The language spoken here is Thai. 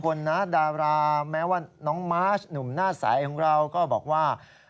ดาราแม้ว่าน้องมาร์ชหนุ่มหน้าใสของเราก็บอกว่า